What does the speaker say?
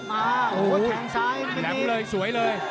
มาหัวแข่งซ้ายแหลมเลยสวยเลย